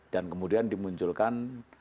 dan kemudian dimunculkan